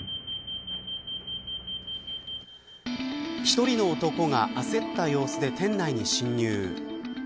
１人の男が焦った様子で店内に侵入。